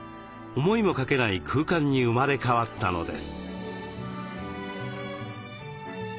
思いもかけない空間に生まれ変わったのです。